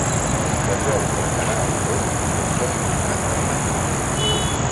Se sol preparar al forn i es pot trobar envasat.